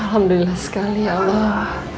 alhamdulillah sekali ya allah